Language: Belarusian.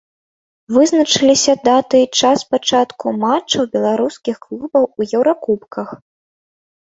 Вызначыліся даты і час пачатку матчаў беларускіх клубаў у еўракубках.